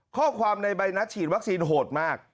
ข้อความในใบนัดฉีดวัคซีนโหดมาก